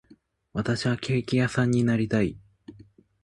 私はケーキ屋さんになりたい